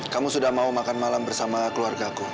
kamu sudah mau makan malam bersama keluarga aku